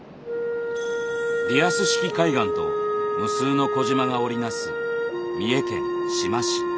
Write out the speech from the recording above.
リアス式海岸と無数の小島が織り成す三重県志摩市。